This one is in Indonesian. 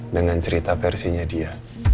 dengan cerita versinya dia